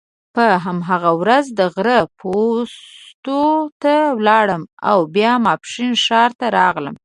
په هماغه ورځ د غره پوستو ته ولاړم او بیا ماپښین ښار ته راغلم.